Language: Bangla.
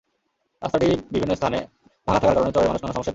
রাস্তাটি বিভিন্ন স্থানে ভাঙা থাকার কারণে চরের মানুষ নানা সমস্যায় পড়ে।